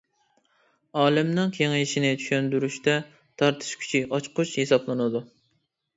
ئالەمنىڭ كېڭىيىشىنى چۈشەندۈرۈشتە، تارتىش كۈچى ئاچقۇچ ھېسابلىنىدۇ.